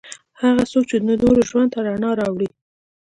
هغه څوک چې د نورو ژوند ته رڼا راوړي.